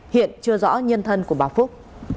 hiện chưa rõ nhân thân của bà phúc